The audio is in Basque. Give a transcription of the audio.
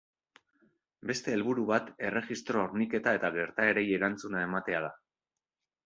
Beste helburua bat erregistro horniketa eta gertaerei erantzuna ematea da.